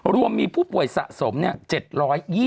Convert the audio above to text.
รวมมีผู้ป่วยสะสม๗๒๐